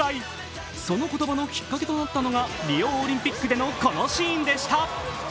その言葉のきっかけとなったのがリオオリンピックでのこのシーンでした。